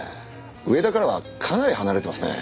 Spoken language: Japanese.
上田からはかなり離れてますね。